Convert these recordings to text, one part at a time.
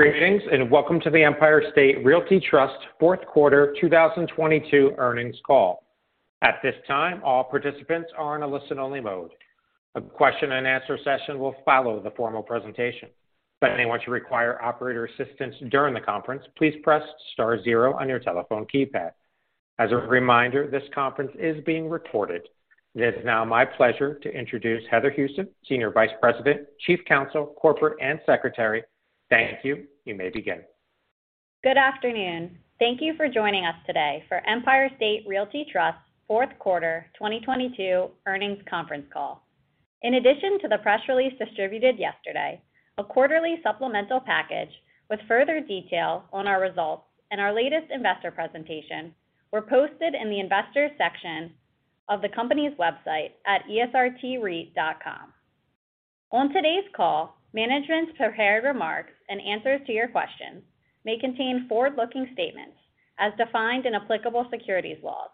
Greetings, and welcome to the Empire State Realty Trust 4th quarter 2022 earnings call. At this time, all participants are in a listen-only mode. A question and answer session will follow the formal presentation. If anyone should require operator assistance during the conference, please press star 0 on your telephone keypad. As a reminder, this conference is being recorded. It is now my pleasure to introduce Heather Houston, Senior Vice President, Chief Counsel, Corporate, and Secretary. Thank you. You may begin. Good afternoon. Thank you for joining us today for Empire State Realty Trust fourth quarter 2022 earnings conference call. In addition to the press release distributed yesterday, a quarterly supplemental package with further detail on our results and our latest investor presentation were posted in the Investors section of the company's website at esrtreit.com. On today's call, management's prepared remarks in answer to your questions may contain forward-looking statements as defined in applicable securities laws,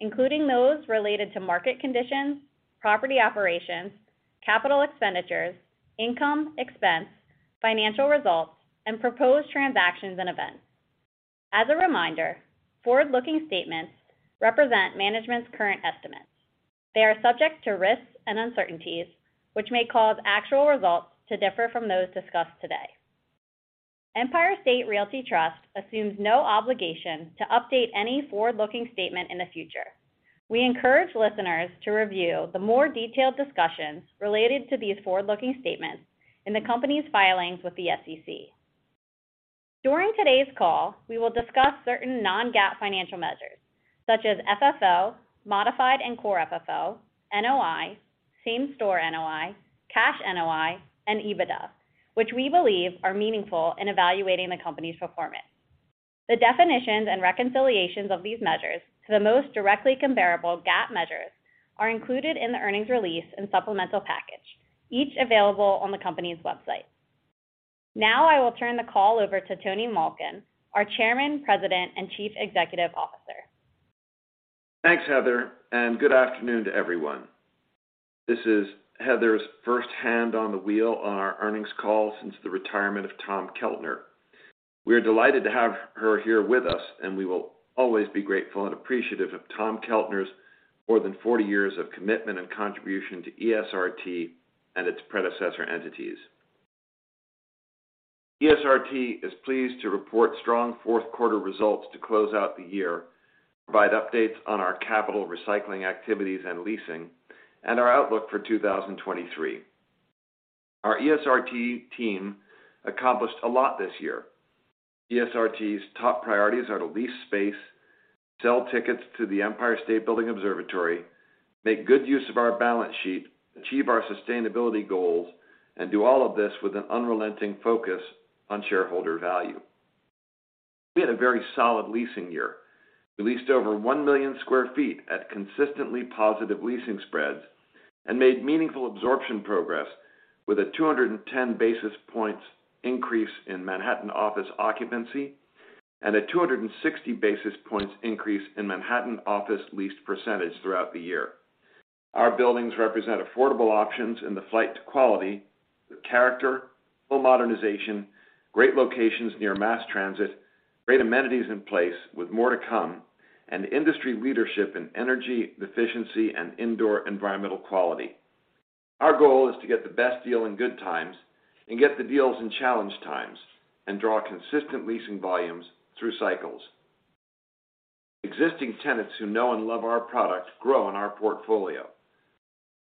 including those related to market conditions, property operations, capital expenditures, income, expense, financial results, and proposed transactions and events. As a reminder, forward-looking statements represent management's current estimates. They are subject to risks and uncertainties which may cause actual results to differ from those discussed today. Empire State Realty Trust assumes no obligation to update any forward-looking statement in the future. We encourage listeners to review the more detailed discussions related to these forward-looking statements in the company's filings with the SEC. During today's call, we will discuss certain non-GAAP financial measures such as FFO, modified and Core FFO, NOI, same-store NOI, Cash NOI, and EBITDA, which we believe are meaningful in evaluating the company's performance. The definitions and reconciliations of these measures to the most directly comparable GAAP measures are included in the earnings release and supplemental package, each available on the company's website. I will turn the call over to Tony Malkin, our Chairman, President, and Chief Executive Officer. Thanks, Heather. Good afternoon to everyone. This is Heather's first hand on the wheel on our earnings call since the retirement of Tom Keltner. We are delighted to have her here with us. We will always be grateful and appreciative of Tom Keltner's more than 40 years of commitment and contribution to ESRT and its predecessor entities. ESRT is pleased to report strong fourth quarter results to close out the year, provide updates on our capital recycling activities and leasing, and our outlook for 2023. Our ESRT team accomplished a lot this year. ESRT's top priorities are to lease space, sell tickets to the Empire State Building Observatory, make good use of our balance sheet, achieve our sustainability goals, and do all of this with an unrelenting focus on shareholder value. We had a very solid leasing year. We leased over 1 million sq ft at consistently positive leasing spreads and made meaningful absorption progress with a 210 basis points increase in Manhattan office occupancy and a 260 basis points increase in Manhattan office leased % throughout the year. Our buildings represent affordable options in the flight to quality, with character, full modernization, great locations near mass transit, great amenities in place with more to come, and industry leadership in energy efficiency and indoor environmental quality. Our goal is to get the best deal in good times and get the deals in challenged times and draw consistent leasing volumes through cycles. Existing tenants who know and love our product grow in our portfolio.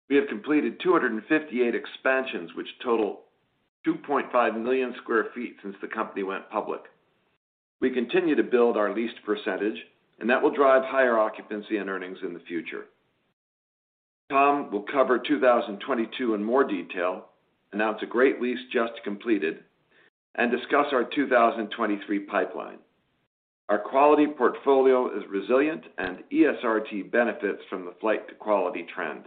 We have completed 258 expansions, which total 2.5 million sq ft since the company went public. We continue to build our leased %, that will drive higher occupancy and earnings in the future. Tom will cover 2022 in more detail, announce a great lease just completed, and discuss our 2023 pipeline. Our quality portfolio is resilient, ESRT benefits from the flight to quality trend.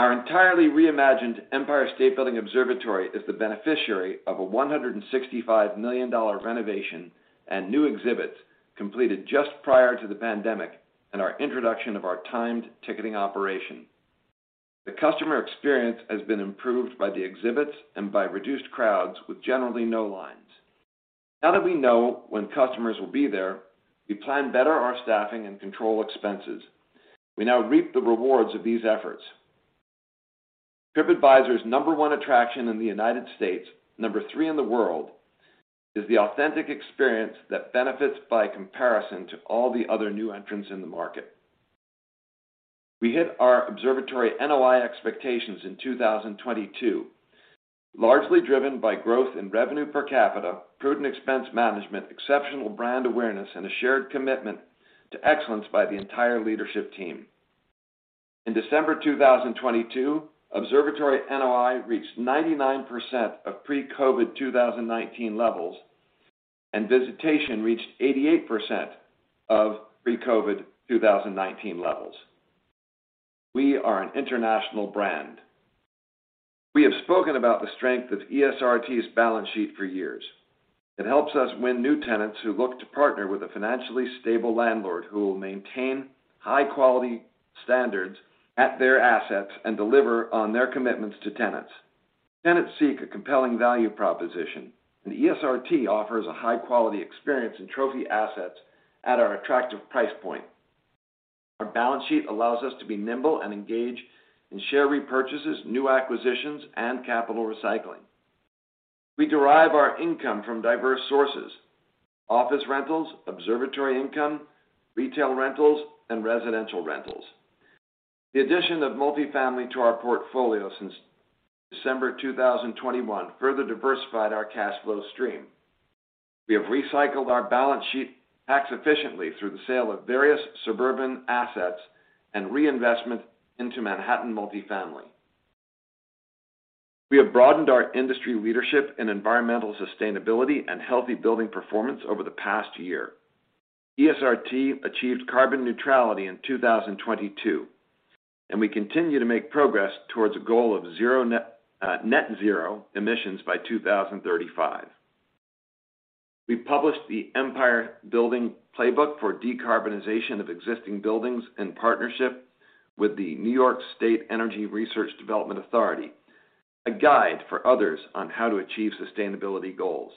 Our entirely reimagined Empire State Building Observatory is the beneficiary of a $165 million renovation and new exhibits completed just prior to the pandemic and our introduction of our timed ticketing operation. The customer experience has been improved by the exhibits and by reduced crowds with generally no lines. Now that we know when customers will be there, we plan better our staffing and control expenses. We now reap the rewards of these efforts. TripAdvisor's 1 attraction in the United States, 3 in the world, is the authentic experience that benefits by comparison to all the other new entrants in the market. We hit our observatory NOI expectations in 2022, largely driven by growth in revenue per capita, prudent expense management, exceptional brand awareness, and a shared commitment to excellence by the entire leadership team. In December 2022, observatory NOI reached 99% of pre-COVID 2019 levels, and visitation reached 88% of pre-COVID 2019 levels. We are an international brand. We have spoken about the strength of ESRT's balance sheet for years. It helps us win new tenants who look to partner with a financially stable landlord who will maintain high quality standards at their assets and deliver on their commitments to tenants. Tenants seek a compelling value proposition, ESRT offers a high quality experience in trophy assets at our attractive price point. Our balance sheet allows us to be nimble and engage in share repurchases, new acquisitions, and capital recycling. We derive our income from diverse sources office rentals, observatory income, retail rentals, and residential rentals. The addition of multifamily to our portfolio since December 2021 further diversified our cash flow stream. We have recycled our balance sheet tax efficiently through the sale of various suburban assets and reinvestment into Manhattan multifamily. We have broadened our industry leadership in environmental sustainability and healthy building performance over the past year. ESRT achieved carbon neutrality in 2022, and we continue to make progress towards a goal of net zero emissions by 2035. We published the Empire Building Playbook for Decarbonization of Existing Buildings in partnership with the New York State Energy Research and Development Authority, a guide for others on how to achieve sustainability goals.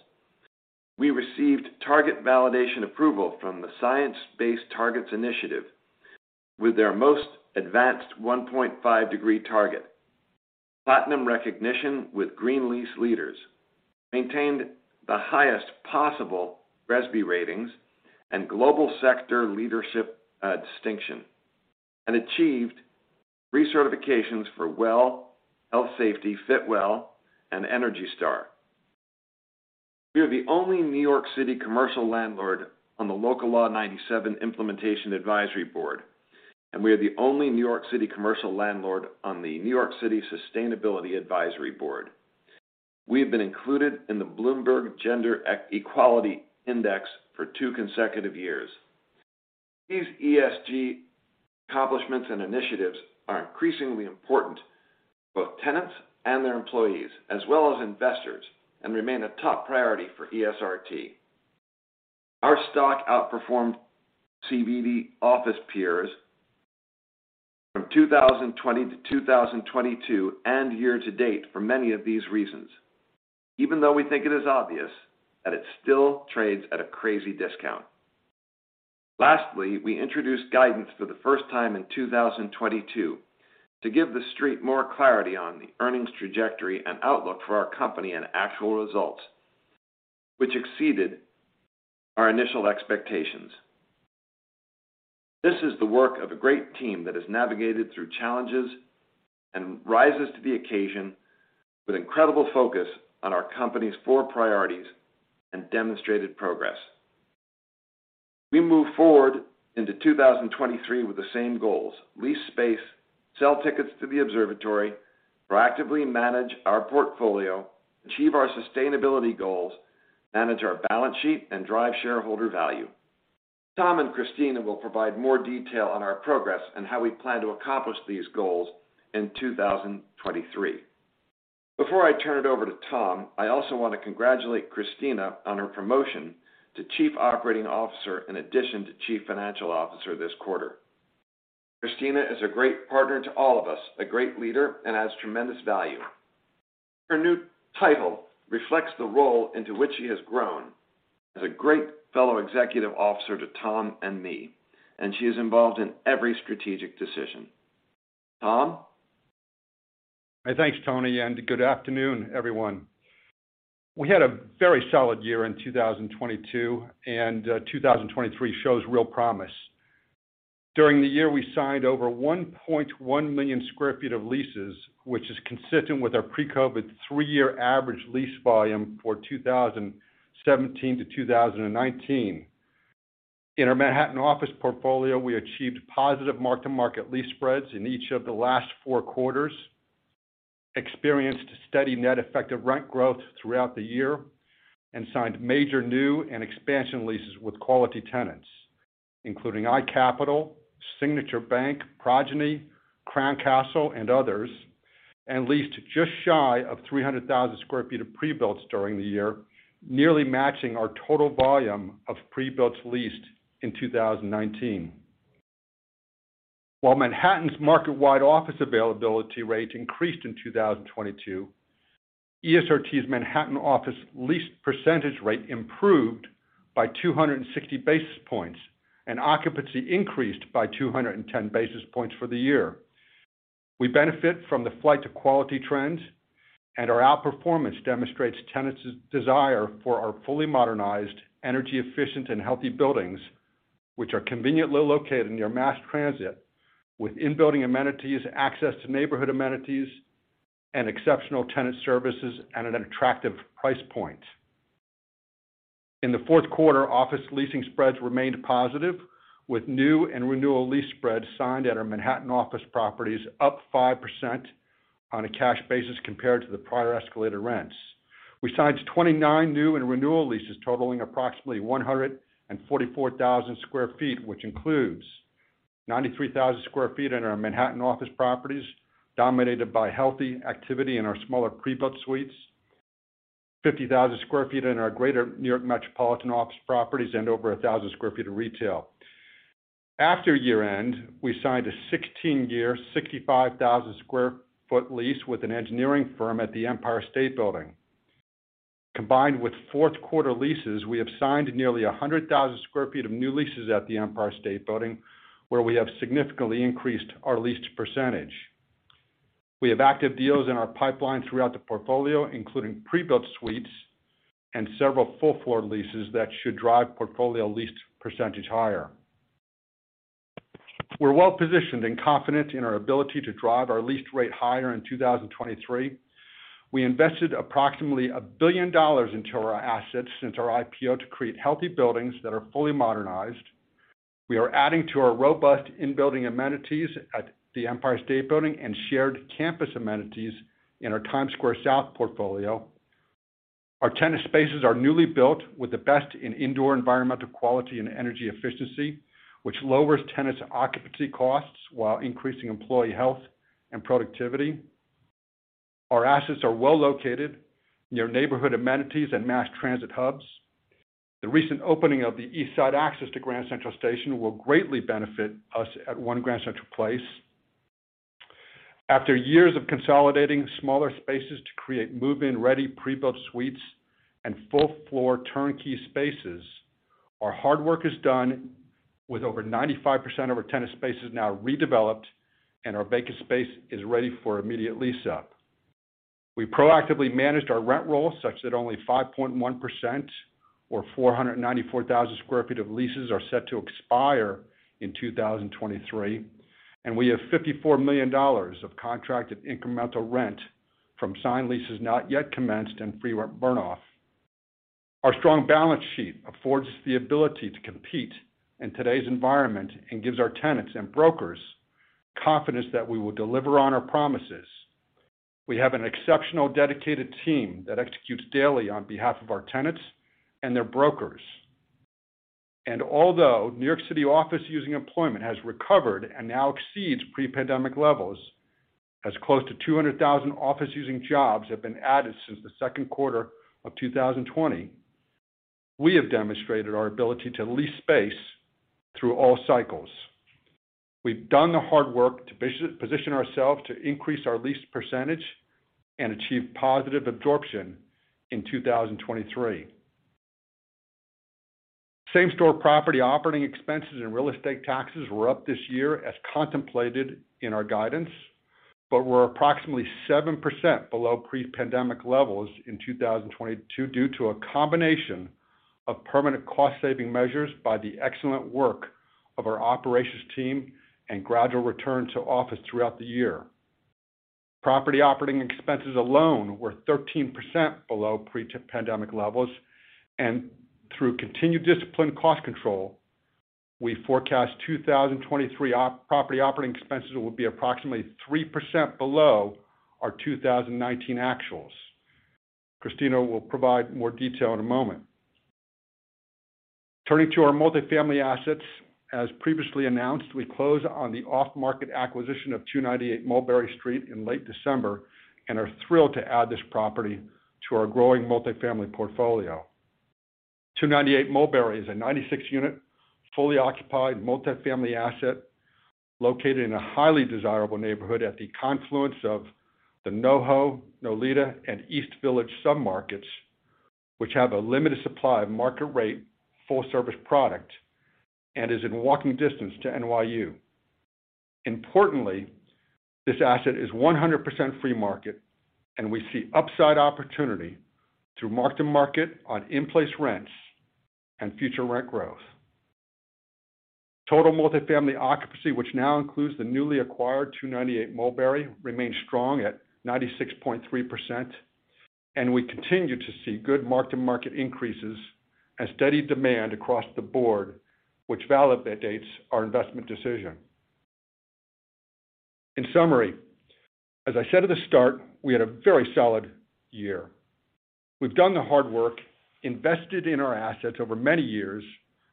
We received target validation approval from the Science Based Targets initiative with their most advanced 1.5 degree target, platinum recognition with Green Lease Leaders, maintained the highest possible RESPEW ratings and global sector leadership distinction, and achieved recertifications for WELL Health Safety, Fitwel, and ENERGY STAR. We are the only New York City commercial landlord on the Local Law 97 Implementation Advisory Board, and we are the only New York City commercial landlord on the New York City Sustainability Advisory Board. We have been included in the Bloomberg Gender-Equality Index for 2 consecutive years. These ESG accomplishments and initiatives are increasingly important to both tenants and their employees, as well as investors, and remain a top priority for ESRT. Our stock outperformed CBD office peers from 2020 to 2022 and year to date for many of these reasons, even though we think it is obvious that it still trades at a crazy discount. We introduced guidance for the first time in 2022 to give the street more clarity on the earnings trajectory and outlook for our company and actual results, which exceeded our initial expectations. This is the work of a great team that has navigated through challenges and rises to the occasion with incredible focus on our company's four priorities and demonstrated progress. We move forward into 2023 with the same goals lease space, sell tickets to the observatory, proactively manage our portfolio, achieve our sustainability goals, manage our balance sheet and drive shareholder value. Tom and Christina will provide more detail on our progress and how we plan to accomplish these goals in 2023. Before I turn it over to Tom, I also want to congratulate Christina on her promotion to Chief Operating Officer in addition to Chief Financial Officer this quarter. Christina is a great partner to all of us, a great leader, and adds tremendous value. Her new title reflects the role into which she has grown as a great fellow executive officer to Tom and me, and she is involved in every strategic decision. Tom. Thanks, Tony. Good afternoon, everyone. We had a very solid year in 2022. 2023 shows real promise. During the year, we signed over 1.1 million sq ft of leases, which is consistent with our pre-COVID 3-year average lease volume for 2017 to 2019. In our Manhattan office portfolio, we achieved positive mark to market lease spreads in each of the last four quarters, experienced steady net effective rent growth throughout the year, signed major new and expansion leases with quality tenants including iCapital, Signature Bank, Progyny, Crown Castle and others, leased just shy of 300,000 sq ft of pre-builts during the year, nearly matching our total volume of pre-builts leased in 2019. While Manhattan's market-wide office availability rate increased in 2022, ESRT's Manhattan office lease percentage rate improved by 260 basis points and occupancy increased by 210 basis points for the year. We benefit from the flight to quality trends and our outperformance demonstrates tenants' desire for our fully modernized energy-efficient and healthy buildings, which are conveniently located near mass transit with in-building amenities, access to neighborhood amenities and exceptional tenant services at an attractive price point. In the fourth quarter, office leasing spreads remained positive with new and renewal lease spreads signed at our Manhattan office properties up 5% on a cash basis compared to the prior escalator rents. We signed 29 new and renewal leases totaling approximately 144,000 sq ft, which includes 93,000 sq ft in our Manhattan office properties, dominated by healthy activity in our smaller prebuilt suites, 50,000 sq ft in our Greater New York metropolitan office properties, and over 1,000 sq ft of retail. After year-end, we signed a 16-year, 65,000 sq ft lease with an engineering firm at the Empire State Building. Combined with fourth quarter leases, we have signed nearly 100,000 sq ft of new leases at the Empire State Building, where we have significantly increased our leased percentage. We have active deals in our pipeline throughout the portfolio, including prebuilt suites and several full floor leases that should drive portfolio leased percentage higher. We're well positioned and confident in our ability to drive our leased rate higher in 2023. We invested approximately $1 billion into our assets since our IPO to create healthy buildings that are fully modernized. We are adding to our robust in-building amenities at the Empire State Building and shared campus amenities in our Times Square South portfolio. Our tenant spaces are newly built with the best in indoor environmental quality and energy efficiency, which lowers tenants' occupancy costs while increasing employee health and productivity. Our assets are well located near neighborhood amenities and mass transit hubs. The recent opening of theEast Side Access to Grand Central Station will greatly benefit us at One Grand Central Place. After years of consolidating smaller spaces to create move-in-ready prebuilt suites and full-floor turnkey spaces, our hard work is done with over 95% of our tenant spaces now redeveloped and our vacant space is ready for immediate lease-up. We proactively managed our rent roll such that only 5.1% or 494,000 sq ft of leases are set to expire in 2023. We have $54 million of contracted incremental rent from signed leases not yet commenced and free rent burn off. Our strong balance sheet affords the ability to compete in today's environment and gives our tenants and brokers confidence that we will deliver on our promises. We have an exceptional dedicated team that executes daily on behalf of our tenants and their brokers. Although New York City office using employment has recovered and now exceeds pre-pandemic levels, as close to 200,000 office using jobs have been added since the second quarter of 2020, we have demonstrated our ability to lease space through all cycles. We've done the hard work to position ourselves to increase our lease percentage and achieve positive absorption in 2023. Same store property operating expenses and real estate taxes were up this year as contemplated in our guidance, but were approximately 7% below pre-pandemic levels in 2022 due to a combination of permanent cost saving measures by the excellent work of our operations team and gradual return to office throughout the year. Property operating expenses alone were 13% below pre-pandemic levels. Through continued disciplined cost control, we forecast 2023 property operating expenses will be approximately 3% below our 2019 actuals. Christina will provide more detail in a moment. Turning to our multifamily assets. As previously announced, we closed on the off-market acquisition of 298 Mulberry Street in late December and are thrilled to add this property to our growing multifamily portfolio. 298 Mulberry is a 96-unit, fully occupied multifamily asset located in a highly desirable neighborhood at the confluence of the NoHo, Nolita, and East Village submarkets, which have a limited supply of market-rate full-service product and is in walking distance to NYU. Importantly, this asset is 100% free-market, and we see upside opportunity through mark-to-market on in-place rents and future rent growth. Total multifamily occupancy, which now includes the newly acquired 298 Mulberry, remains strong at 96.3%, and we continue to see good mark-to-market increases and steady demand across the board, which validates our investment decision. In summary, as I said at the start, we had a very solid year. We've done the hard work, invested in our assets over many years,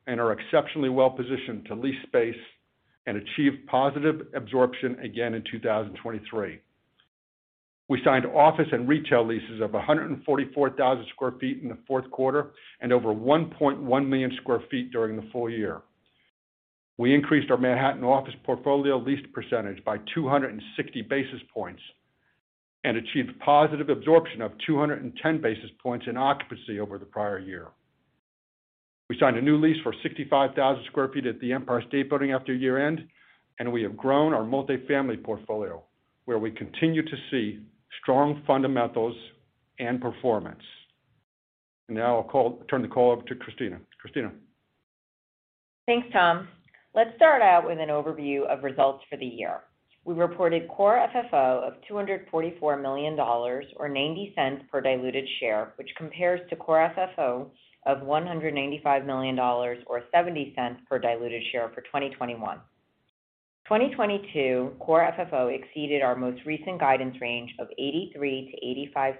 and are exceptionally well positioned to lease space and achieve positive absorption again in 2023. We signed office and retail leases of 144,000 sq ft in the fourth quarter and over 1.1 million sq ft during the full year. We increased our Manhattan office portfolio leased percentage by 260 basis points and achieved positive absorption of 210 basis points in occupancy over the prior year. We signed a new lease for 65,000 sq ft at the Empire State Building after year-end. We have grown our multifamily portfolio, where we continue to see strong fundamentals and performance. Turn the call over to Christina. Christina. Thanks, Tom. Let's start out with an overview of results for the year. We reported Core FFO of $244 million or $0.90 per diluted share, which compares to Core FFO of $195 million or $0.70 per diluted share for 2021. 2022 Core FFO exceeded our most recent guidance range of $0.83-$0.85,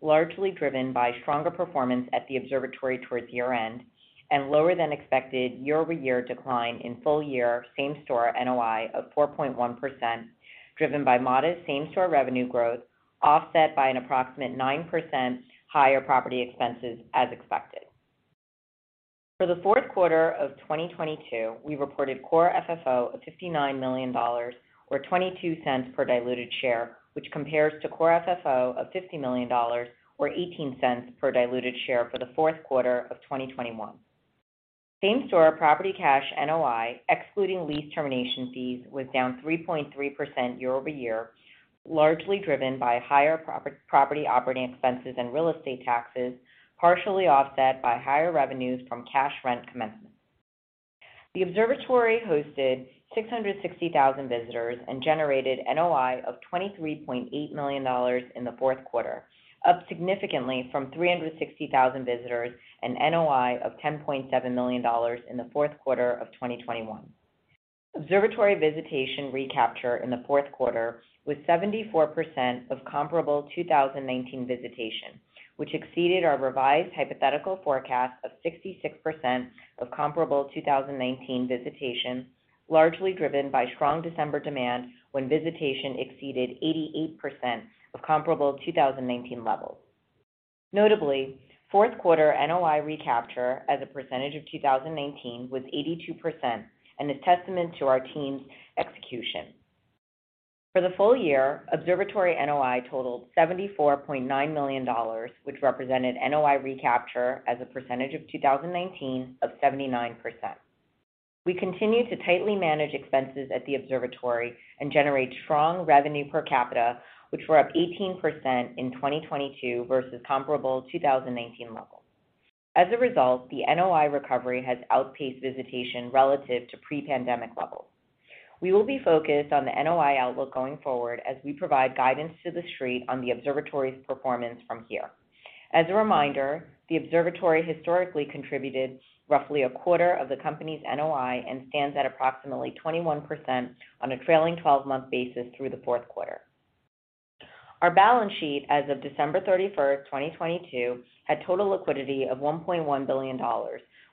largely driven by stronger performance at the Observatory towards year-end and lower than expected year-over-year decline in full year same-store NOI of 4.1%, driven by modest same-store revenue growth, offset by an approximate 9% higher property expenses as expected. For the fourth quarter of 2022, we reported Core FFO of $59 million or $0.22 per diluted share, which compares to Core FFO of $50 million or $0.18 per diluted share for the fourth quarter of 2021. Same-store property cash NOI, excluding lease termination fees, was down 3.3% year-over-year, largely driven by higher property operating expenses and real estate taxes, partially offset by higher revenues from cash rent commencement. The Observatory hosted 660,000 visitors and generated NOI of $23.8 million in the fourth quarter, up significantly from 360,000 visitors and NOI of $10.7 million in the fourth quarter of 2021. Observatory visitation recapture in the fourth quarter was 74% of comparable 2019 visitation, which exceeded our revised hypothetical forecast of 66% of comparable 2019 visitation, largely driven by strong December demand when visitation exceeded 88% of comparable 2019 levels. Notably, Q4 NOI recapture as a percentage of 2019 was 82% and is testament to our team's execution. For the full year, Observatory NOI totaled $74.9 million, which represented NOI recapture as a percentage of 2019 of 79%. We continue to tightly manage expenses at the Observatory and generate strong revenue per capita, which were up 18% in 2022 versus comparable 2019 levels. The NOI recovery has outpaced visitation relative to pre-pandemic levels. We will be focused on the NOI outlook going forward as we provide guidance to the street on the Observatory's performance from here. The Observatory historically contributed roughly a quarter of the company's NOI and stands at approximately 21% on a trailing twelve-month basis through the Q4. Our balance sheet as of December 31st, 2022, had total liquidity of $1.1 billion,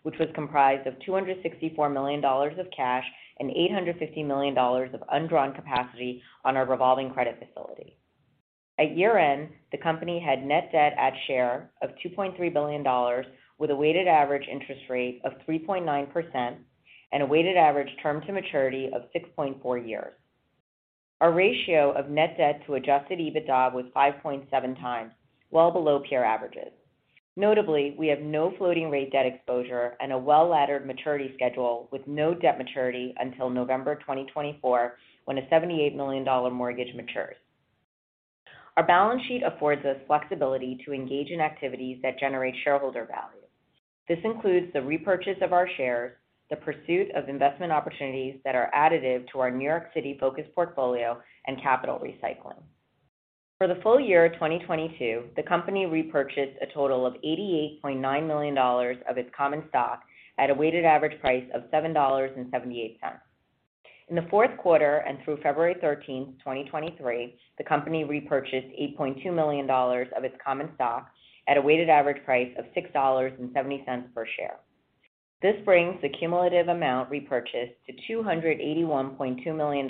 which was comprised of $264 million of cash and $850 million of undrawn capacity on our revolving credit facility. At year-end, the company had net debt at share of $2.3 billion with a weighted average interest rate of 3.9% and a weighted average term to maturity of 6.4 years. Our ratio of net debt to adjusted EBITDA was 5.7 times, well below peer averages. Notably, we have no floating rate debt exposure and a well-laddered maturity schedule with no debt maturity until November 2024, when a $78 million mortgage matures. Our balance sheet affords us flexibility to engage in activities that generate shareholder value. This includes the repurchase of our shares, the pursuit of investment opportunities that are additive to our New York City focused portfolio and capital recycling. For the full year of 2022, the company repurchased a total of $88.9 million of its common stock at a weighted average price of $7.78. In the fourth quarter and through February 13, 2023, the company repurchased $8.2 million of its common stock at a weighted average price of $6.70 per share. This brings the cumulative amount repurchased to $281.2 million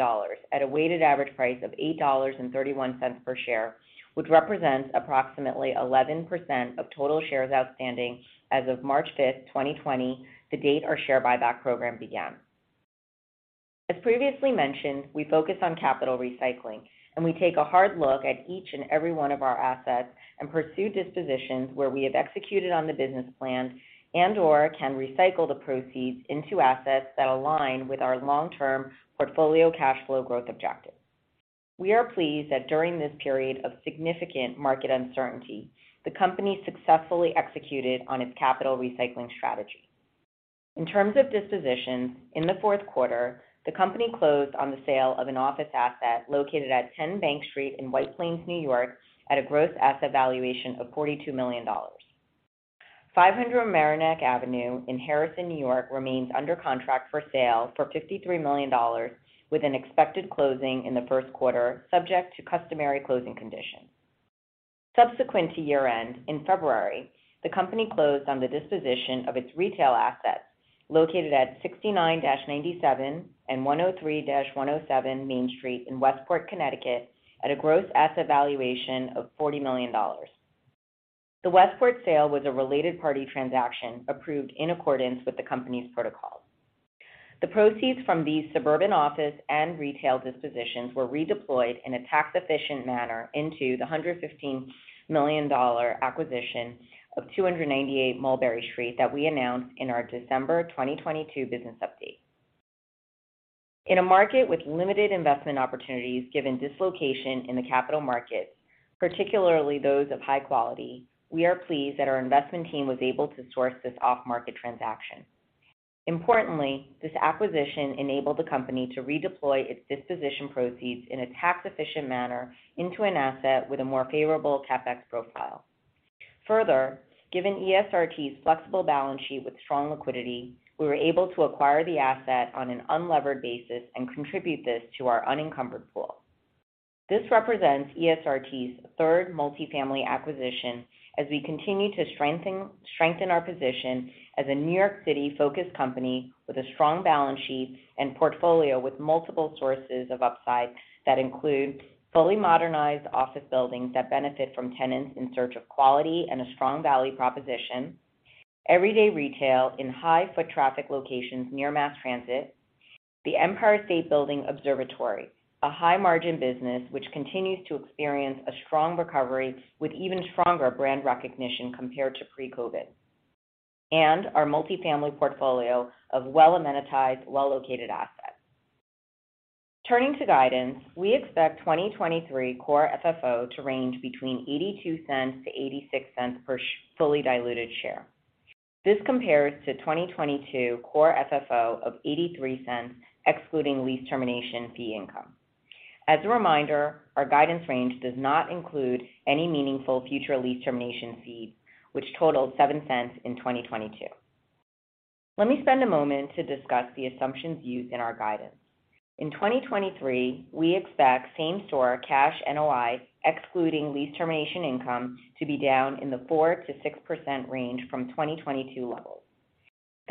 at a weighted average price of $8.31 per share, which represents approximately 11% of total shares outstanding as of March 5, 2020, the date our share buyback program began. As previously mentioned, we focus on capital recycling, and we take a hard look at each and every one of our assets and pursue dispositions where we have executed on the business plan and/or can recycle the proceeds into assets that align with our long-term portfolio cash flow growth objective. We are pleased that during this period of significant market uncertainty, the company successfully executed on its capital recycling strategy. In terms of dispositions, in the fourth quarter, the company closed on the sale of an office asset located at Ten Bank Street in White Plains, New York, at a gross asset valuation of $42 million. 500 Mamaroneck Avenue in Harrison, New York, remains under contract for sale for $53 million with an expected closing in the first quarter, subject to customary closing conditions. Subsequent to year-end, in February, the company closed on the disposition of its retail assets located at 69-97 and 103-107 Main Street in Westport, Connecticut, at a gross asset valuation of $40 million. The Westport sale was a related party transaction approved in accordance with the company's protocols. The proceeds from these suburban office and retail dispositions were redeployed in a tax-efficient manner into the $115 million acquisition of 298 Mulberry Street that we announced in our December 2022 business update. In a market with limited investment opportunities, given dislocation in the capital markets, particularly those of high quality, we are pleased that our investment team was able to source this off-market transaction. Importantly, this acquisition enabled the company to redeploy its disposition proceeds in a tax-efficient manner into an asset with a more favorable CapEx profile. Given ESRT's flexible balance sheet with strong liquidity, we were able to acquire the asset on an unlevered basis and contribute this to our unencumbered pool. This represents ESRT's third multifamily acquisition as we continue to strengthen our position as a New York City-focused company with a strong balance sheet and portfolio with multiple sources of upside that include fully modernized office buildings that benefit from tenants in search of quality and a strong value proposition. Everyday retail in high foot traffic locations near mass transit. The Empire State Building Observatory, a high-margin business which continues to experience a strong recovery with even stronger brand recognition compared to pre-COVID. Our multifamily portfolio of well-amenitized, well-located assets. Turning to guidance, we expect 2023 Core FFO to range between $0.82-$0.86 per fully diluted share. This compares to 2022 Core FFO of $0.83, excluding lease termination fee income. As a reminder, our guidance range does not include any meaningful future lease termination fees, which totaled $0.07 in 2022. Let me spend a moment to discuss the assumptions used in our guidance. In 2023, we expect same-store cash NOI, excluding lease termination income, to be down in the 4%-6% range from 2022 levels.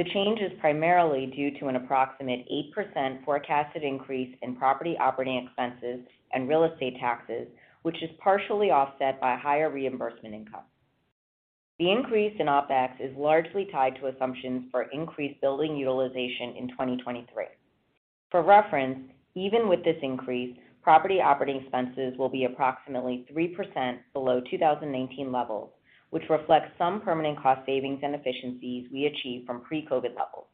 The change is primarily due to an approximate 8% forecasted increase in property operating expenses and real estate taxes, which is partially offset by higher reimbursement income. The increase in OpEx is largely tied to assumptions for increased building utilization in 2023. For reference, even with this increase, property operating expenses will be approximately 3% below 2019 levels, which reflects some permanent cost savings and efficiencies we achieved from pre-COVID levels.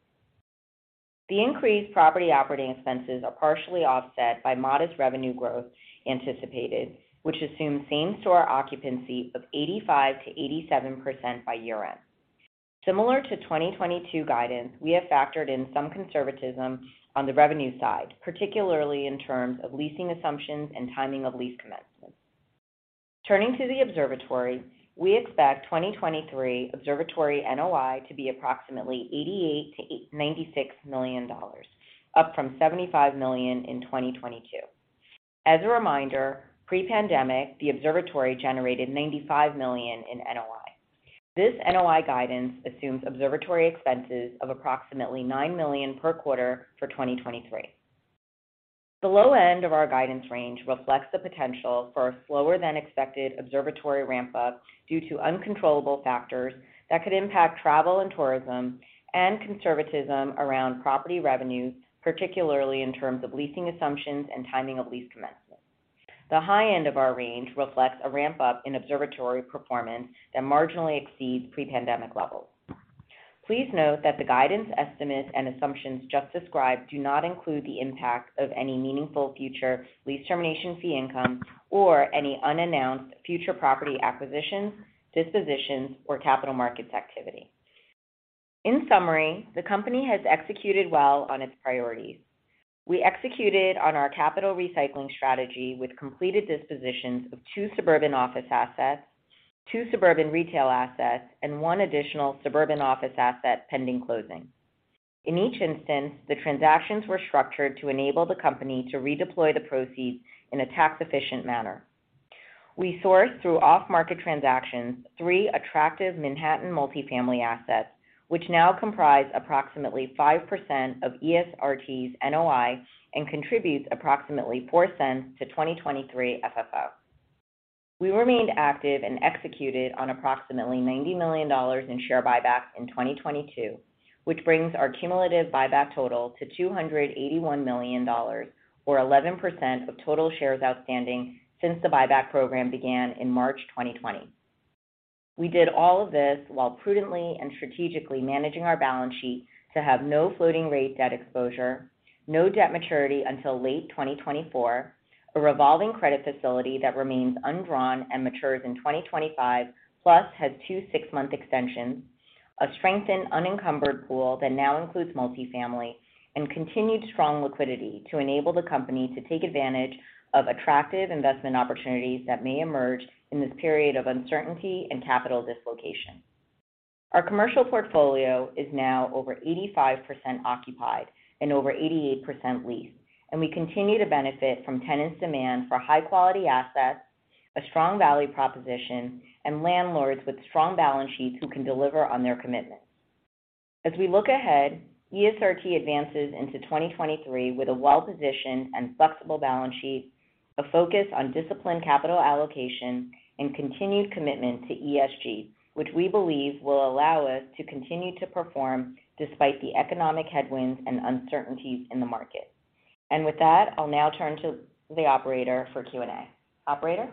The increased property operating expenses are partially offset by modest revenue growth anticipated, which assumes same-store occupancy of 85%-87% by year-end. Similar to 2022 guidance, we have factored in some conservatism on the revenue side, particularly in terms of leasing assumptions and timing of lease commencements. Turning to the Observatory, we expect 2023 Observatory NOI to be approximately $88 million-$96 million, up from $75 million in 2022. As a reminder, pre-pandemic, the Observatory generated $95 million in NOI. This NOI guidance assumes Observatory expenses of approximately $9 million per quarter for 2023. The low end of our guidance range reflects the potential for a slower than expected observatory ramp-up due to uncontrollable factors that could impact travel and tourism and conservatism around property revenues, particularly in terms of leasing assumptions and timing of lease commencement. The high end of our range reflects a ramp-up in observatory performance that marginally exceeds pre-pandemic levels. Please note that the guidance estimates and assumptions just described do not include the impact of any meaningful future lease termination fee income or any unannounced future property acquisitions, dispositions, or capital markets activity. In summary, the company has executed well on its priorities. We executed on our capital recycling strategy with completed dispositions of two suburban office assets, two suburban retail assets, and one additional suburban office asset pending closing. In each instance, the transactions were structured to enable the company to redeploy the proceeds in a tax efficient manner. We sourced, through off-market transactions, three attractive Manhattan multifamily assets, which now comprise approximately 5% of ESRT's NOI and contributes approximately $0.04 to 2023 FFO. Executed on approximately $90 million in share buybacks in 2022, which brings our cumulative buyback total to $281 million or 11% of total shares outstanding since the buyback program began in March 2020. We did all of this while prudently and strategically managing our balance sheet to have no floating rate debt exposure, no debt maturity until late 2024, a revolving credit facility that remains undrawn and matures in 2025, plus has 2 six-month extensions, a strengthened unencumbered pool that now includes multifamily and continued strong liquidity to enable the company to take advantage of attractive investment opportunities that may emerge in this period of uncertainty and capital dislocation. Our commercial portfolio is now over 85% occupied and over 88% leased, we continue to benefit from tenants' demand for high quality assets, a strong value proposition, and landlords with strong balance sheets who can deliver on their commitments. As we look ahead, ESRT advances into 2023 with a well-positioned and flexible balance sheet, a focus on disciplined capital allocation and continued commitment to ESG, which we believe will allow us to continue to perform despite the economic headwinds and uncertainties in the market. With that, I'll now turn to the operator for Q&A. Operator?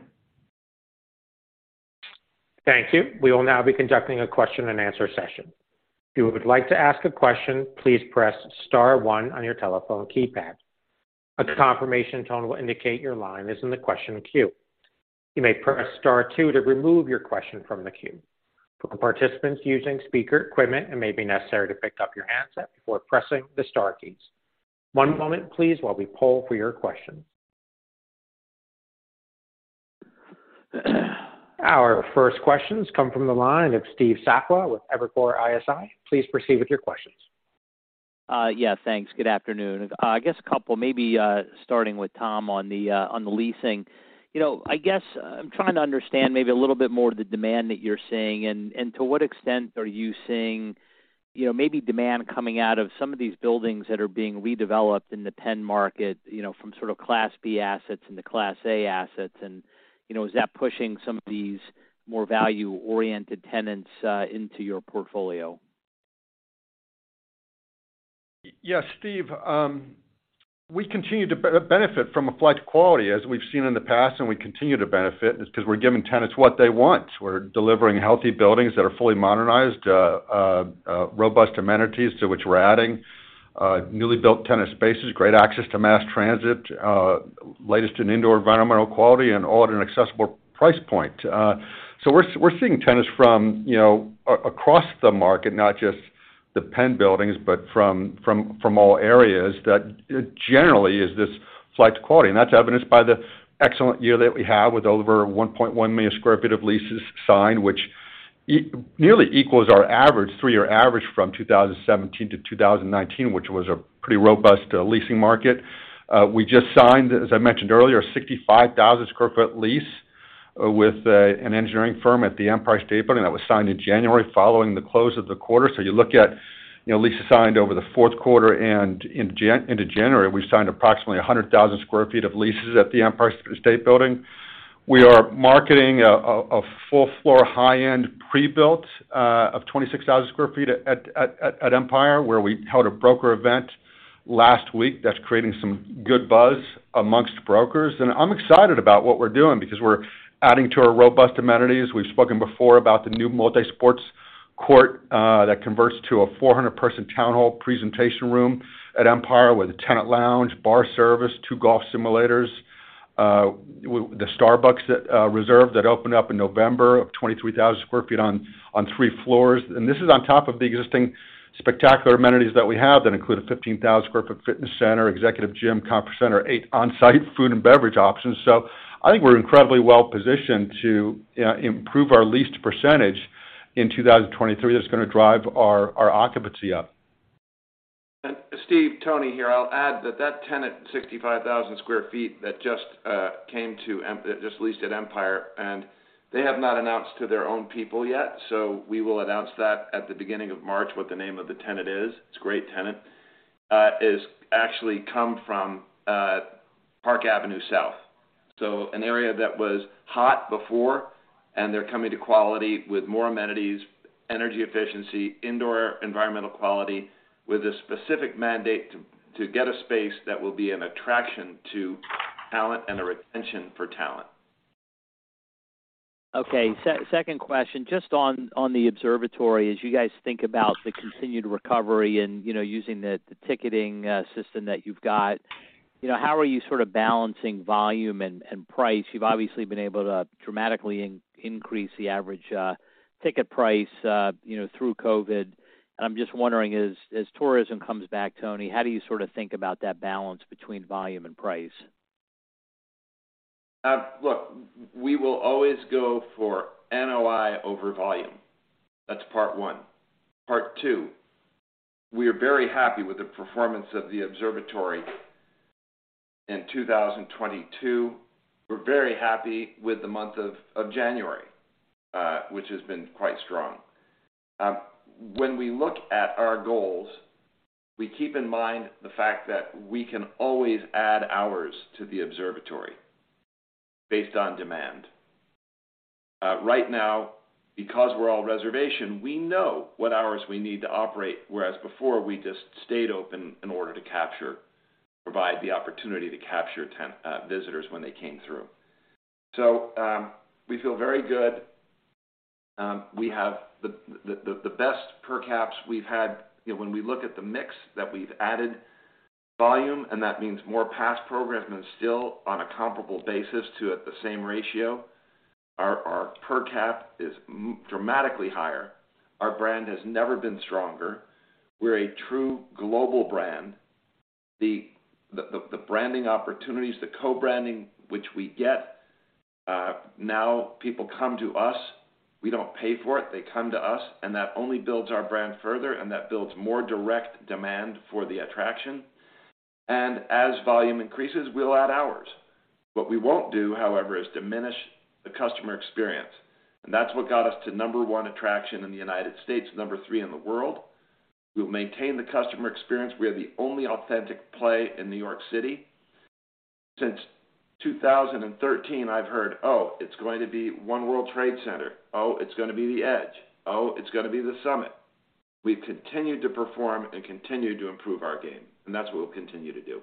Thank you. We will now be conducting a question and answer session. If you would like to ask a question, please press star one on your telephone keypad. A confirmation tone will indicate your line is in the question queue. You may press star two to remove your question from the queue. For the participants using speaker equipment, it may be necessary to pick up your handset before pressing the star keys. One moment please while we poll for your questions. Our first questions come from the line of Steve Sakwa with Evercore ISI. Please proceed with your questions. Yeah, thanks. Good afternoon. I guess a couple, maybe, starting with Tom on the leasing. You know, I guess, I'm trying to understand maybe a little bit more of the demand that you're seeing and to what extent are you seeing, you know, maybe demand coming out of some of these buildings that are being redeveloped in the Penn market, you know, from sort of Class B assets into Class A assets. You know, is that pushing some of these more value-oriented tenants into your portfolio? Yes, Steve. We continue to benefit from a flight to quality, as we've seen in the past, and we continue to benefit. It's 'cause we're giving tenants what they want. We're delivering healthy buildings that are fully modernized, robust amenities to which we're adding newly built tenant spaces, great access to mass transit, latest in indoor environmental quality and all at an accessible price point. We're seeing tenants from, you know, across the market, not just the Penn buildings, but from all areas that generally is this flight to quality. That's evidenced by the excellent year that we had with over 1.1 million square feet of leases signed, which nearly equals our average, three-year average from 2017 to 2019, which was a pretty robust leasing market. We just signed, as I mentioned earlier, a 65,000 square foot lease with an engineering firm at the Empire State Building. That was signed in January following the close of the quarter. You look at, you know, leases signed over the fourth quarter and into January, we've signed approximately 100,000 square feet of leases at the Empire State Building. We are marketing a full floor high-end pre-built of 26,000 sq ft at Empire, where we held a broker event last week that's creating some good buzz amongst brokers. I'm excited about what we're doing because we're adding to our robust amenities. We've spoken before about the new multi-sports court that converts to a 400 person town hall presentation room at Empire with a tenant lounge, bar service, two golf simulators, the Starbucks Reserve that opened up in November of 23,000 sq ft on three floors. This is on top of the existing spectacular amenities that we have that include a 15,000 sq ft fitness center, executive gym, conference center, eight on-site food and beverage options. I think we're incredibly well positioned to improve our leased percentage in 2023. That's gonna drive our occupancy up. Steve, Tony here. I'll add that that tenant, 65,000 sq ft that just came to Empire, and they have not announced to their own people yet. We will announce that at the beginning of March, what the name of the tenant is. It's a great tenant. has actually come from Park Avenue South, so an area that was hot before, and they're coming to quality with more amenities, energy efficiency, indoor environmental quality, with a specific mandate to get a space that will be an attraction to talent and a retention for talent. Okay. Second question, just on the Observatory. As you guys think about the continued recovery and, you know, using the ticketing system that you've got, you know, how are you sort of balancing volume and price? You've obviously been able to dramatically increase the average ticket price, you know, through COVID. I'm just wondering, as tourism comes back, Tony, how do you sort of think about that balance between volume and price? Look, we will always go for NOI over volume. That's part one. We are very happy with the performance of the Observatory in 2022. We're very happy with the month of January, which has been quite strong. When we look at our goals, we keep in mind the fact that we can always add hours to the Observatory based on demand. Right now, because we're all reservation, we know what hours we need to operate, whereas before we just stayed open in order to provide the opportunity to capture visitors when they came through. We feel very good. We have the best per caps we've had. You know, when we look at the mix that we've added volume, and that means more pass programs than still on a comparable basis to at the same ratio, our per cap is dramatically higher. Our brand has never been stronger. We're a true global brand. The branding opportunities, the co-branding which we get, now people come to us. We don't pay for it, they come to us, and that only builds our brand further, and that builds more direct demand for the attraction. As volume increases, we'll add hours. What we won't do, however, is diminish the customer experience, and that's what got us to number one attraction in the United States, number three in the world. We'll maintain the customer experience. We are the only authentic play in New York City. Since 2013, I've heard, "Oh, it's going to be One World Trade Center. Oh, it's gonna be The Edge. Oh, it's gonna be The Summit." We've continued to perform and continue to improve our game, and that's what we'll continue to do.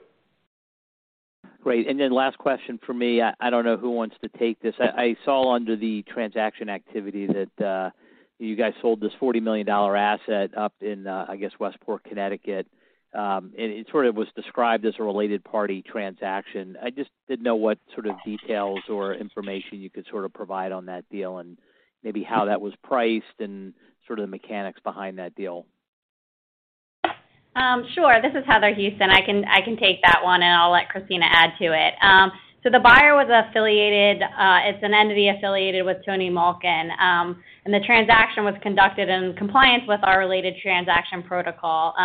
Great. Last question for me. I don't know who wants to take this. I saw under the transaction activity that you guys sold this $40 million asset up in, I guess, Westport, Connecticut. It sort of was described as a related party transaction. I just didn't know what sort of details or information you could sort of provide on that deal and maybe how that was priced and sort of the mechanics behind that deal. Sure. This is Heather Houston. I can take that one, and I'll let Christina add to it. The buyer was affiliated, it's an entity affiliated with Tony Malkin. The transaction was conducted in compliance with our related transaction protocol,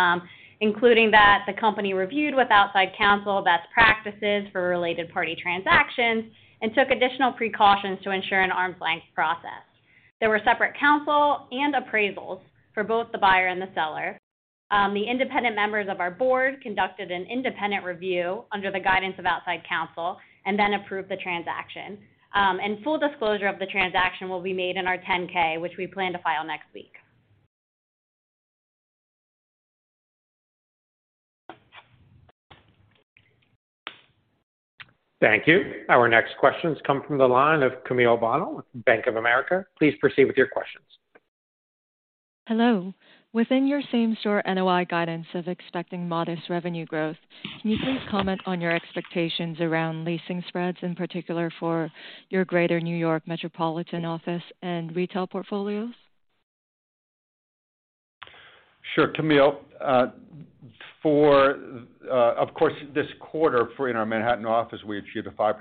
including that the company reviewed with outside counsel best practices for related party transactions and took additional precautions to ensure an arm's length process. There were separate counsel and appraisals for both the buyer and the seller. The independent members of our board conducted an independent review under the guidance of outside counsel and then approved the transaction. Full disclosure of the transaction will be made in our 10-K, which we plan to file next week. Thank you. Our next questions come from the line of Camille Bonnel with Bank of America. Please proceed with your questions. Hello. Within your same-store NOI guidance of expecting modest revenue growth, can you please comment on your expectations around leasing spreads, in particular for your Greater New York Metropolitan office and retail portfolios? Sure, Camille. Of course this quarter for in our Manhattan office, we achieved a 5%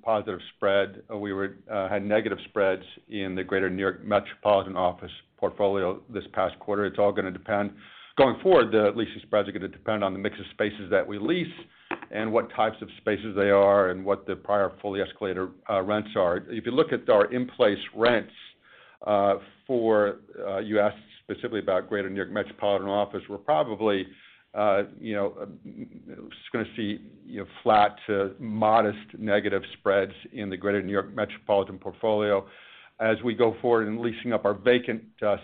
positive spread. We were had negative spreads in the Greater New York Metropolitan office portfolio this past quarter. It's all gonna depend. Going forward, the leases spreads are gonna depend on the mix of spaces that we lease and what types of spaces they are and what the prior fully escalator rents are. If you look at our in-place rents, you asked specifically about Greater New York Metropolitan office. We're probably, you know, just gonna see, you know, flat to modest negative spreads in the Greater New York Metropolitan portfolio. As we go forward in leasing up our vacant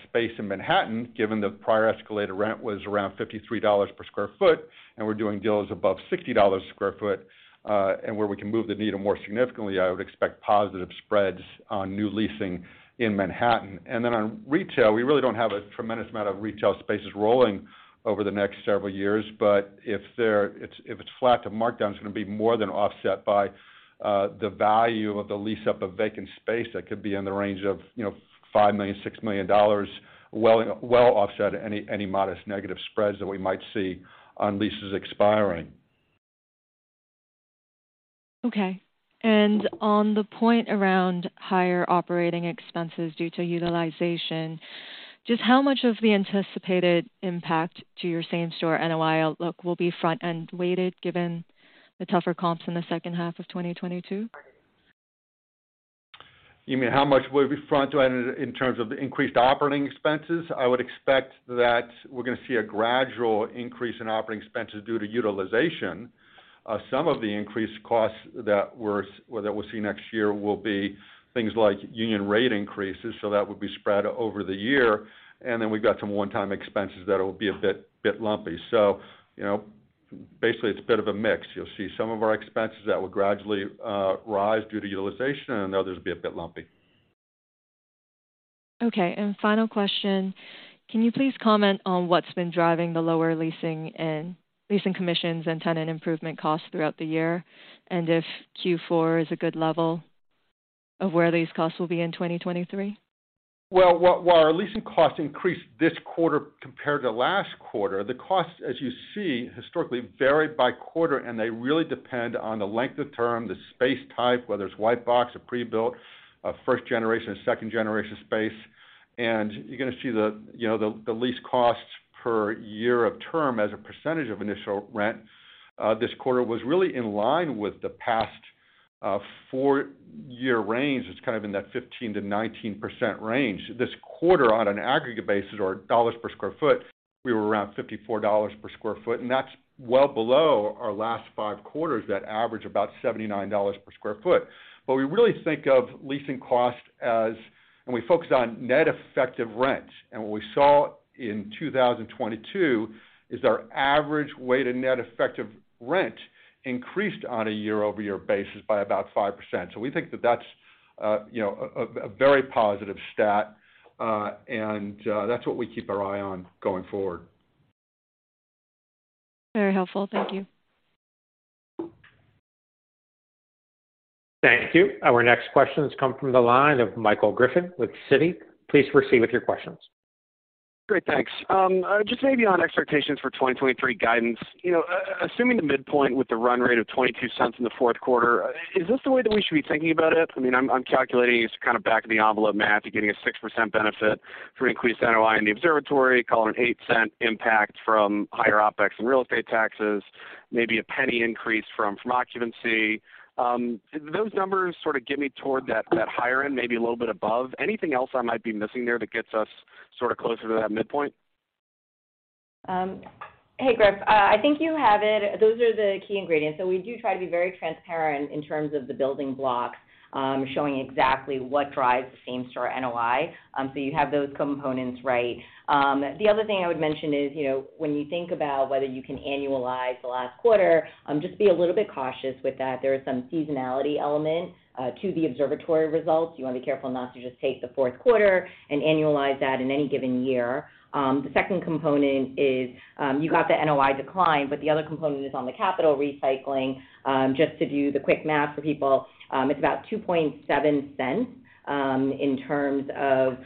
space in Manhattan, given the prior escalator rent was around $53 per square foot, and we're doing deals above $60 a square foot, and where we can move the needle more significantly, I would expect positive spreads on new leasing in Manhattan. On retail, we really don't have a tremendous amount of retail spaces rolling over the next several years. If it's flat, the markdown's gonna be more than offset by the value of the lease up of vacant space that could be in the range of, you know, $5 million-$6 million, well offset any modest negative spreads that we might see on leases expiring. Okay. On the point around higher operating expenses due to utilization, just how much of the anticipated impact to your same-store NOI outlook will be front-end weighted given the tougher comps in the second half of 2022? You mean how much will be front-end weighted in terms of the increased operating expenses? I would expect that we're gonna see a gradual increase in operating expenses due to utilization. Some of the increased costs that we'll see next year will be things like union rate increases. That would be spread over the year. We've got some one-time expenses that will be a bit lumpy. You know, basically, it's a bit of a mix. You'll see some of our expenses that will gradually rise due to utilization. Others will be a bit lumpy. Okay. Final question, can you please comment on what's been driving the lower leasing and leasing commissions and tenant improvement costs throughout the year, and if Q4 is a good level of where these costs will be in 2023? Well, while our leasing costs increased this quarter compared to last quarter, the costs, as you see, historically varied by quarter, and they really depend on the length of term, the space type, whether it's white box or pre-built, first generation, second generation space. And you're gonna see the, you know, the lease costs per year of term as a % of initial rent, this quarter was really in line with the past 4-year range. It's kind of in that 15%-19% range. This quarter, on an aggregate basis or dollars per sq ft, we were around $54 per sq ft, and that's well below our last 5 quarters that average about $79 per sq ft. But we really think of leasing costs and we focus on net effective rent. What we saw in 2022 is our average weighted net effective rent increased on a year-over-year basis by about 5%. We think that that's, you know, a very positive stat, and that's what we keep our eye on going forward. Very helpful. Thank you. Thank you. Our next question comes from the line of Michael Griffin with Citi. Please proceed with your questions. Great. Thanks. Just maybe on expectations for 2023 guidance. You know, assuming the midpoint with the run rate of $0.22 in the fourth quarter, is this the way that we should be thinking about it? I mean, I'm calculating it's kind of back of the envelope math. You're getting a 6% benefit from increased NOI in the Observatory, call it an $0.08 impact from higher OpEx and real estate taxes, maybe a $0.01 increase from occupancy. Those numbers sort of get me toward that higher end, maybe a little bit above. Anything else I might be missing there that gets us sort of closer to that midpoint? Hey, Griff. I think you have it. Those are the key ingredients. We do try to be very transparent in terms of the building blocks, showing exactly what drives the same-store NOI. You have those components right. The other thing I would mention is, you know, when you think about whether you can annualize the last quarter, just be a little bit cautious with that. There is some seasonality element to the Observatory results. You wanna be careful not to just take the fourth quarter and annualize that in any given year. The second component is, you got the NOI decline, but the other component is on the capital recycling. Just to do the quick math for people, it's about $0.027, in terms of,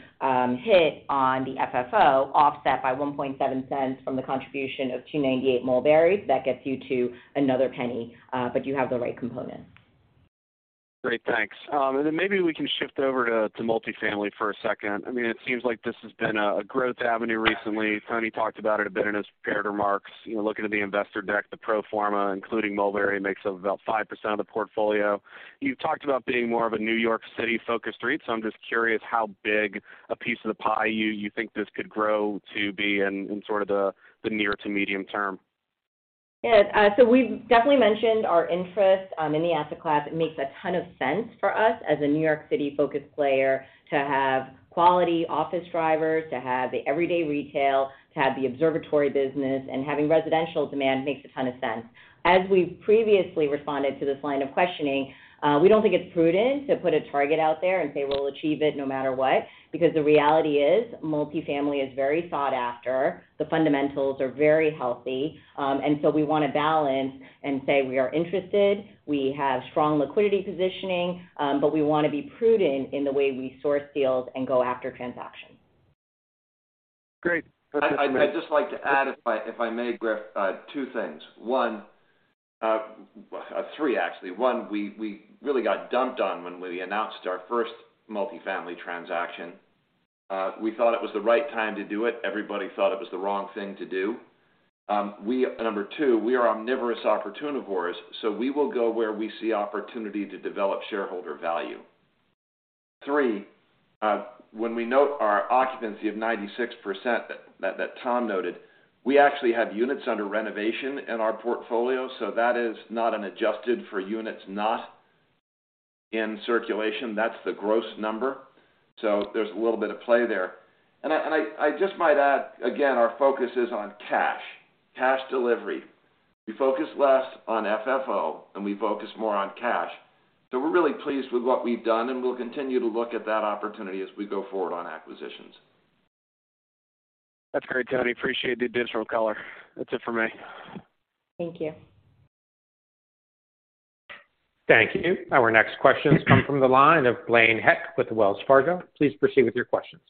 hit on the FFO offset by $0.017 from the contribution of 298 Mulberry. That gets you to another $0.01, but you have the right components. Great. Thanks. Maybe we can shift over to multifamily for a second. I mean, it seems like this has been a growth avenue recently. Tony talked about it a bit in his prepared remarks. You know, looking at the investor deck, the pro forma, including Mulberry, makes up about 5% of the portfolio. You've talked about being more of a New York City-focused REIT, so I'm just curious how big a piece of the pie you think this could grow to be in sort of the near to medium term. Yeah. We've definitely mentioned our interest in the asset class. It makes a ton of sense for us as a New York City-focused player to have quality office drivers, to have the everyday retail, to have the observatory business, and having residential demand makes a ton of sense. As we've previously responded to this line of questioning, we don't think it's prudent to put a target out there and say we'll achieve it no matter what, because the reality is multifamily is very sought after. The fundamentals are very healthy. We wanna balance and say we are interested. We have strong liquidity positioning, we wanna be prudent in the way we source deals and go after transactions. Great. That's it for me. I'd just like to add, if I may, Griff, two things. One. Three, actually. One, we really got dumped on when we announced our first multifamily transaction. We thought it was the right time to do it. Everybody thought it was the wrong thing to do. Number two, we are omnivorous opportunivores, so we will go where we see opportunity to develop shareholder value. Three, when we note our occupancy of 96% that Tom noted, we actually have units under renovation in our portfolio, so that is not an adjusted for units not in circulation. That's the gross number. There's a little bit of play there. I just might add, again, our focus is on cash delivery. We focus less on FFO, and we focus more on cash. We're really pleased with what we've done, and we'll continue to look at that opportunity as we go forward on acquisitions. That's great, Tony. Appreciate the additional color. That's it for me. Thank you. Thank you. Our next questions come from the line of Blaine Heck with Wells Fargo. Please proceed with your questions.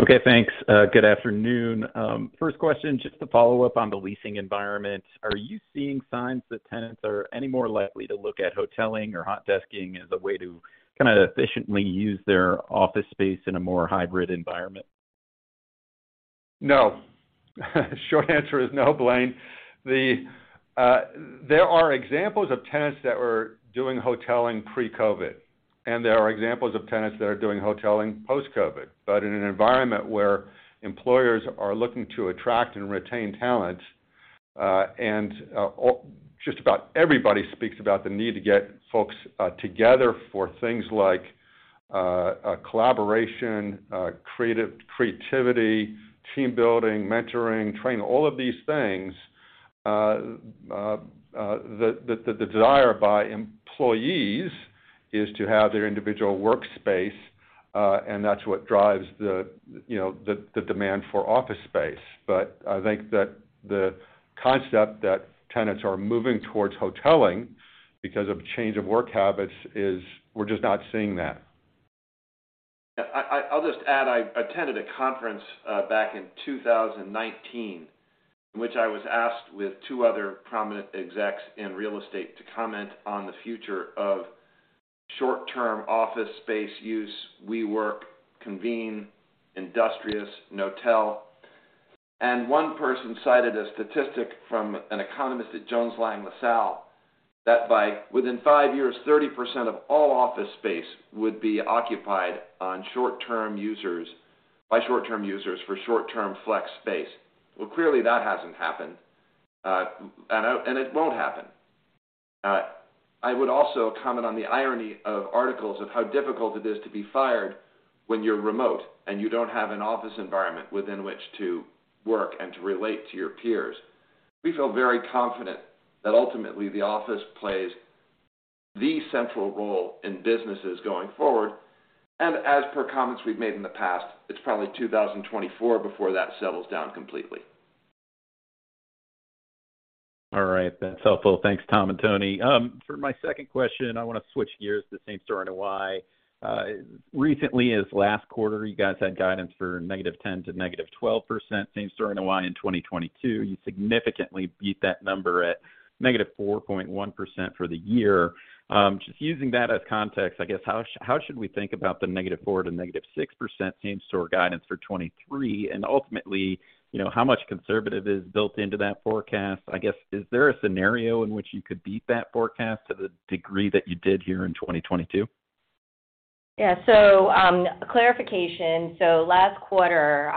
Okay. Thanks. Good afternoon. First question, just to follow up on the leasing environment. Are you seeing signs that tenants are any more likely to look at hoteling or hot desking as a way to kinda efficiently use their office space in a more hybrid environment? No. Short answer is no, Blaine. There are examples of tenants that were doing hoteling pre-COVID, and there are examples of tenants that are doing hoteling post-COVID. In an environment where employers are looking to attract and retain talent, and Just about everybody speaks about the need to get folks together for things like collaboration, creativity, team building, mentoring, training, all of these things, the desire by employees is to have their individual workspace. That's what drives the, you know, the demand for office space. I think that the concept that tenants are moving towards hoteling because of change of work habits is we're just not seeing that. I'll just add, I attended a conference back in 2019 in which I was asked with two other prominent execs in real estate to comment on the future of short-term office space use, WeWork, Convene, Industrious, Knotel. One person cited a statistic from an economist at Jones Lang LaSalle that within five years, 30% of all office space would be occupied by short-term users for short-term flex space. Clearly that hasn't happened. It won't happen. I would also comment on the irony of articles of how difficult it is to be fired when you're remote and you don't have an office environment within which to work and to relate to your peers. We feel very confident that ultimately the office plays the central role in businesses going forward. As per comments we've made in the past, it's probably 2024 before that settles down completely. All right. That's helpful. Thanks, Tom and Tony. For my second question, I wanna switch gears to same-store NOI. Recently as last quarter, you guys had guidance for -10% to -12% same-store NOI in 2022. You significantly beat that number at -4.1% for the year. Just using that as context, I guess, how should we think about the -4% to -6% same-store guidance for 2023? Ultimately, you know, how much conservative is built into that forecast? I guess, is there a scenario in which you could beat that forecast to the degree that you did here in 2022? Yeah. Clarification. Last quarter,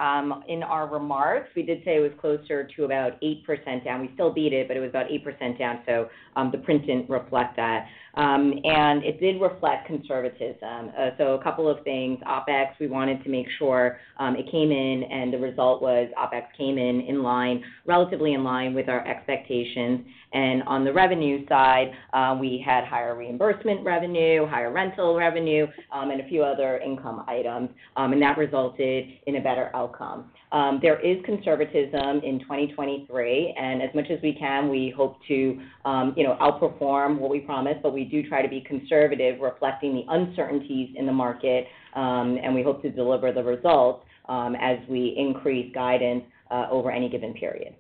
in our remarks, we did say it was closer to about 8% down. We still beat it, but it was about 8% down. The print didn't reflect that. It did reflect conservatism. A couple of things. OpEx, we wanted to make sure, it came in, and the result was OpEx came in, relatively in line with our expectations. On the revenue side, we had higher reimbursement revenue, higher rental revenue, and a few other income items, and that resulted in a better outcome. There is conservatism in 2023, and as much as we can, we hope to, you know, outperform what we promised, but we do try to be conservative, reflecting the uncertainties in the market, and we hope to deliver the results, as we increase guidance, over any given period.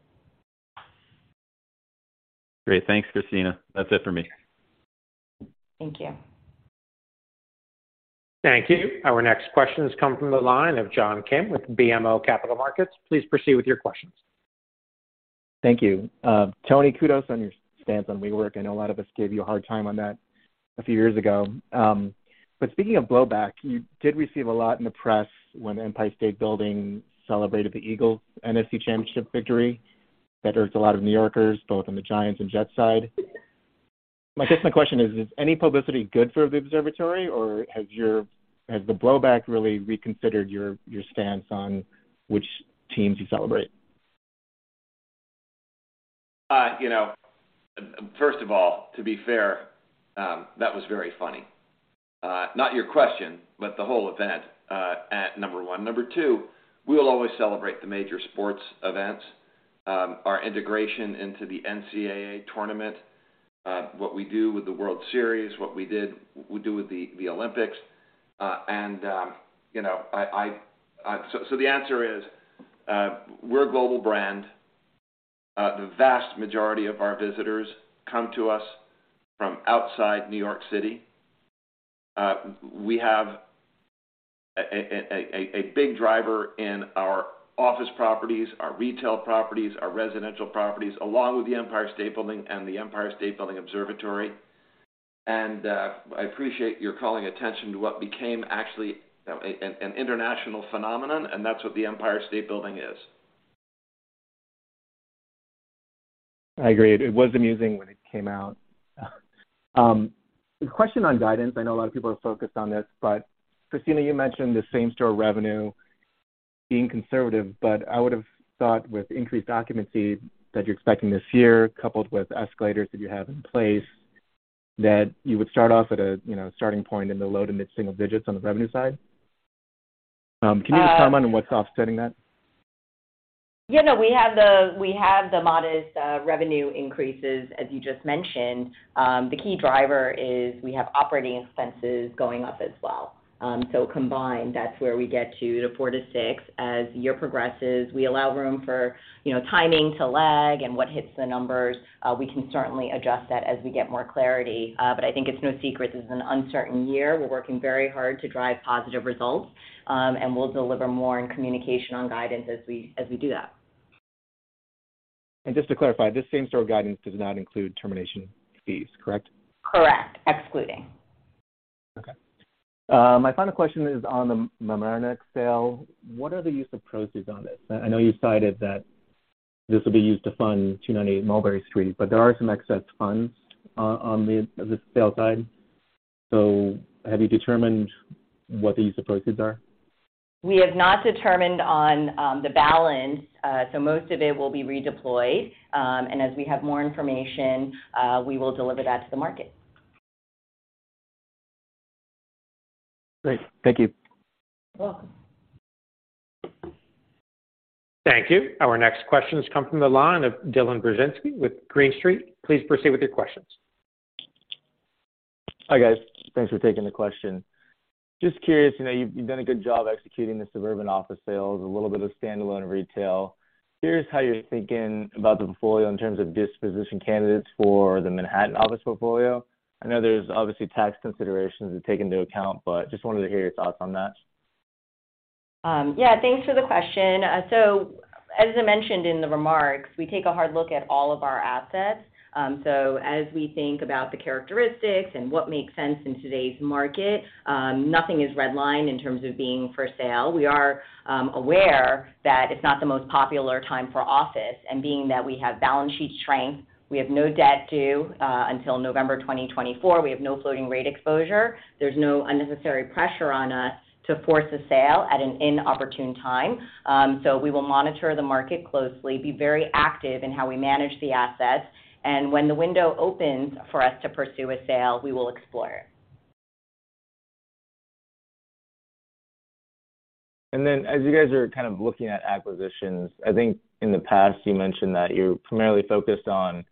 Great. Thanks, Christina. That's it for me. Thank you. Thank you. Our next question has come from the line of John Kim with BMO Capital Markets. Please proceed with your questions. Thank you. Tony, kudos on your stance on WeWork. I know a lot of us gave you a hard time on that a few years ago. Speaking of blowback, you did receive a lot in the press when the Empire State Building celebrated the Eagles NFC championship victory. That irked a lot of New Yorkers, both on the Giants and Jets side. I guess my question is any publicity good for the observatory, or has the blowback really reconsidered your stance on which teams you celebrate? You know, first of all, to be fair, that was very funny. Not your question, but the whole event, at 1. Number two, we will always celebrate the major sports events. Our integration into the NCAA tournament, what we do with the World Series, what we do with the Olympics. You know, the answer is, we're a global brand. The vast majority of our visitors come to us from outside New York City. We have a big driver in our office properties, our retail properties, our residential properties, along with the Empire State Building and the Empire State Building Observatory. I appreciate your calling attention to what became actually, you know, an international phenomenon, and that's what the Empire State Building is. I agree. It was amusing when it came out. Question on guidance. I know a lot of people are focused on this, but Christina, you mentioned the same-store revenue being conservative, but I would've thought with increased occupancy that you're expecting this year coupled with escalators that you have in place, that you would start off at a, you know, starting point in the low to mid single digits on the revenue side. Can you just comment on what's offsetting that? Yeah, no, we have the modest revenue increases, as you just mentioned. The key driver is we have operating expenses going up as well. Combined, that's where we get to the four to six. As the year progresses, we allow room for, you know, timing to lag and what hits the numbers. We can certainly adjust that as we get more clarity. I think it's no secret this is an uncertain year. We're working very hard to drive positive results, and we'll deliver more in communication on guidance as we do that. Just to clarify, this same-store guidance does not include termination fees, correct? Correct. Excluding. Okay. My final question is on the Mamaroneck sale. What are the use of proceeds on this? I know you cited that this will be used to fund 298 Mulberry Street, there are some excess funds on the sale side. Have you determined what the use of proceeds are? We have not determined on, the balance. Most of it will be redeployed. As we have more information, we will deliver that to the market. Great. Thank you. You're welcome. Thank you. Our next question has come from the line of Dylan Burzinski with Green Street. Please proceed with your questions. Hi, guys. Thanks for taking the question. Just curious, you know, you've done a good job executing the suburban office sales, a little bit of standalone retail. Curious how you're thinking about the portfolio in terms of disposition candidates for the Manhattan office portfolio. I know there's obviously tax considerations to take into account, but just wanted to hear your thoughts on that. Thanks for the question. As I mentioned in the remarks, we take a hard look at all of our assets. As we think about the characteristics and what makes sense in today's market, nothing is redlined in terms of being for sale. We are aware that it's not the most popular time for office, and being that we have balance sheet strength, we have no debt due until November 2024. We have no floating rate exposure. There's no unnecessary pressure on us to force a sale at an inopportune time. We will monitor the market closely, be very active in how we manage the assets, and when the window opens for us to pursue a sale, we will explore it. As you guys are kind of looking at acquisitions, I think in the past you mentioned that you're primarily focused on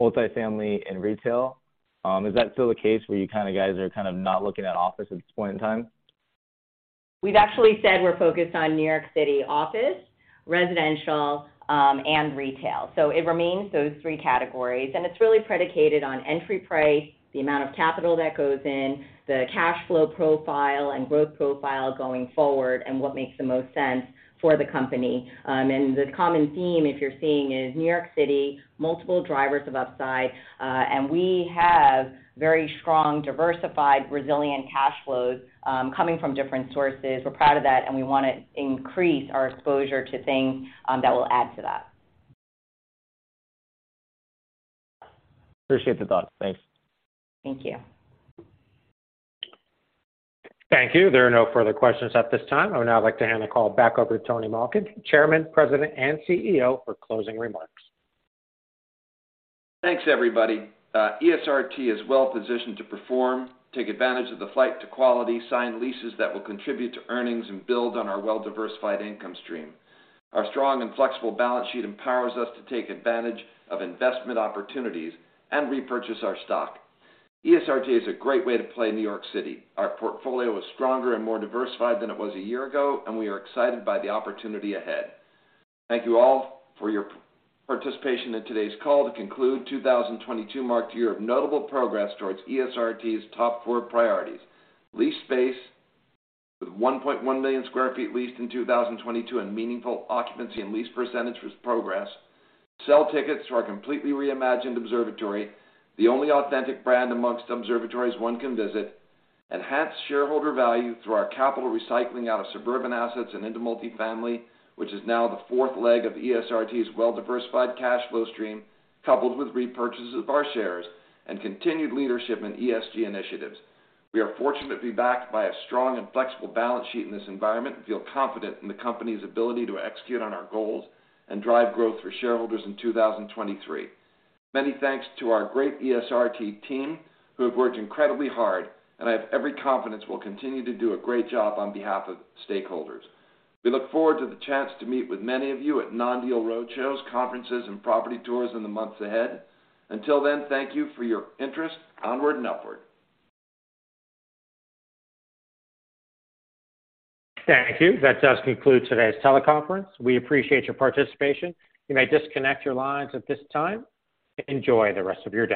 multi-family and retail. Is that still the case, where you guys are kind of not looking at office at this point in time? We've actually said we're focused on New York City office, residential, and retail. It remains those three categories, and it's really predicated on entry price, the amount of capital that goes in, the cash flow profile and growth profile going forward, and what makes the most sense for the company. The common theme, if you're seeing, is New York City, multiple drivers of upside. We have very strong, diversified, resilient cash flows, coming from different sources. We're proud of that, and we wanna increase our exposure to things that will add to that. Appreciate the thought. Thanks. Thank you. Thank you. There are no further questions at this time. I would now like to hand the call back over to Tony Malkin, Chairman, President, and CEO, for closing remarks. Thanks, everybody. ESRT is well positioned to perform, take advantage of the flight to quality, sign leases that will contribute to earnings, and build on our well-diversified income stream. Our strong and flexible balance sheet empowers us to take advantage of investment opportunities and repurchase our stock. ESRT is a great way to play New York City. Our portfolio is stronger and more diversified than it was a year ago. We are excited by the opportunity ahead. Thank you all for your participation in today's call. To conclude, 2022 marked a year of notable progress towards ESRT's top four priorities. Lease space with 1.1 million sq ft leased in 2022 and meaningful occupancy and lease percentage was progress. Sell tickets to our completely reimagined observatory, the only authentic brand amongst observatories one can visit. Enhance shareholder value through our capital recycling out of suburban assets and into multifamily, which is now the fourth leg of ESRT's well-diversified cash flow stream, coupled with repurchases of our shares and continued leadership in ESG initiatives. We are fortunate to be backed by a strong and flexible balance sheet in this environment and feel confident in the company's ability to execute on our goals and drive growth for shareholders in 2023. Many thanks to our great ESRT team who have worked incredibly hard, I have every confidence will continue to do a great job on behalf of stakeholders. We look forward to the chance to meet with many of you at non-deal roadshows, conferences, and property tours in the months ahead. Until then, thank you for your interest. Onward and upward. Thank you. That does conclude today's teleconference. We appreciate your participation. You may disconnect your lines at this time. Enjoy the rest of your day.